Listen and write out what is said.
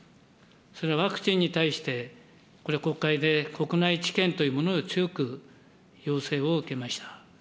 それはワクチンに対して、これは国会で国内治験というものが強く要請を受けました。